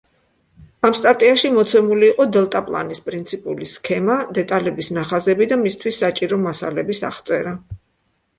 ამ სტატიაში მოცემული იყო დელტაპლანის პრინციპული სქემა, დეტალების ნახაზები და მისთვის საჭირო მასალების აღწერა.